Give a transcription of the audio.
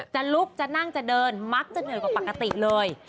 จะลุกจะนั่งจะเดินมักจะเหนื่อยกว่าปกติเลย